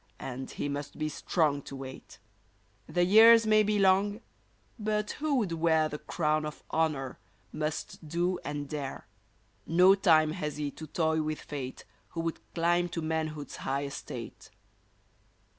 And he must be strong to wait ! The years may be long, but who would wear The crown of honor, must do and dare ! No time has he to toy with fate Who would climb to manhood's high estate